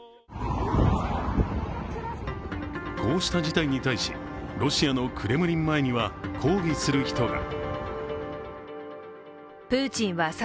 こうした事態に対し、ロシアのクレムリン前には抗議する人が。